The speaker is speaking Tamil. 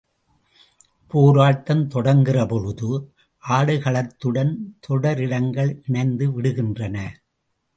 போராட்டம் தொடங்குகிறபொழுது, ஆடுகளத்துடன் தொடரிடங்கள் இணைந்து விடுகின்றன.